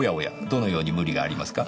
どのように無理がありますか？